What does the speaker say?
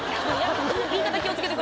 言い方気を付けて。